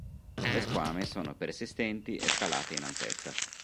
Le squame sono persistenti e scalate in altezza.